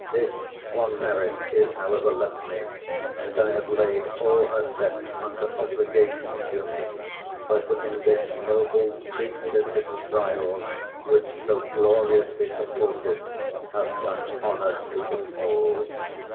This one merit is, however, left me, that I have laid all her sex under obligation to me, by putting this noble creature to trials, which, so gloriously supported, have done honour to them all.